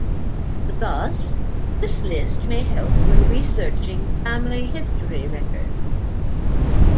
Thus, this list may help when researching family history records.